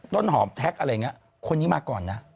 ต้นหอมแท็กอะไรอย่างนี้คนนี้มาก่อนนะ